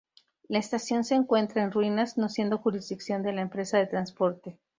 La estación se encuentra en ruinas, no siendo jurisdicción de la empresa de transporte.